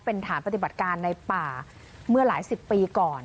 เป็นฐานปฏิบัติการในป่าเมื่อหลายสิบปีก่อน